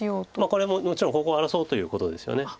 これももちろんここを荒らそうということですよね。